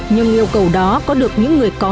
nhưng yêu cầu đó có được những người có